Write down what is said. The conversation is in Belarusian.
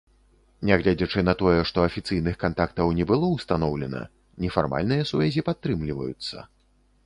Нягледзячы на тое, што афіцыйных кантактаў не было ўстаноўлена, нефармальныя сувязі падтрымліваюцца.